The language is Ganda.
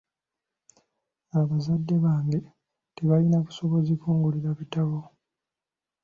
Abazadde bange tebalina busobozi kungulira bitabo.